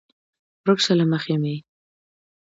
ورک شه له مخې مې!